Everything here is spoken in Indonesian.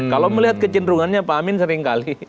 kalau melihat kecenderungannya pak amin seringkali